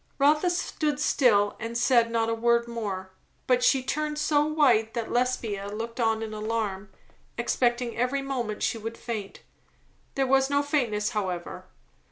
Rotha stood still and said not a word more. But she turned so white that Lesbia looked on in alarm, expecting every moment she would faint. There was no faintness, however.